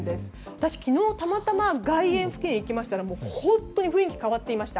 私、昨日たまたま外苑付近に行きましたらもう本当に雰囲気が変わっていました。